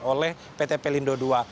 oleh pt pelindo ii